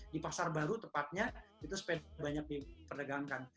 di pasar baru tepatnya itu sepeda banyak diperdagangkan